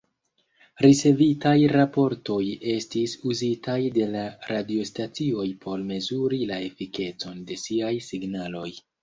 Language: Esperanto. Ricevitaj raportoj estis uzitaj de la radiostacioj por mezuri la efikecon de siaj signaloj.